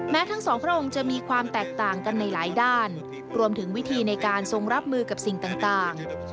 ทั้งสองพระองค์จะมีความแตกต่างกันในหลายด้านรวมถึงวิธีในการทรงรับมือกับสิ่งต่าง